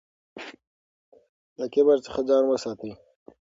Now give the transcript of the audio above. له کبر څخه ځان وساتئ.